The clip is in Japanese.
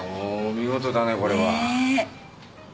見事だねこれは。ねえ。